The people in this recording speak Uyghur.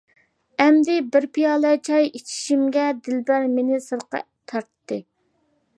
ئەمدى بىر پىيالە چاي ئىچىشىمگە دىلبەر مېنى سىرتقا تارتتى.